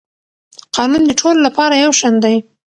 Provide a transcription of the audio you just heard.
قانون د ټولو لپاره یو شان دی.